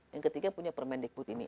yang ketiga punya permendikbud ini